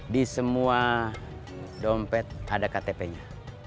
di semua dompet ada ktp nya